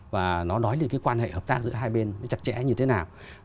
và nó nói đến quan hệ hợp tác giữa hai bên chặt chẽ như thế nào